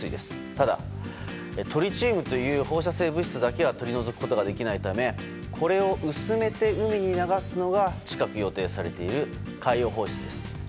ただ、トリチウムという放射性物質だけは取り除くことができないためこれを薄めて海に流すのが近く予定されている海洋放出です。